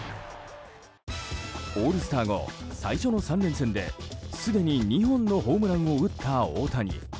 オールスター後、最初の３連戦ですでに２本のホームランを打った大谷。